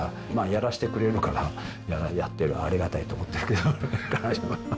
やらせてくれるから、やってる、ありがたいと思ってるけど。